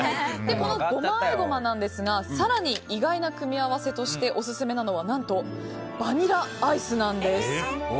このごま和え胡麻ですが更に意外な組み合わせとしてオススメなのは何とバニラアイスなんです。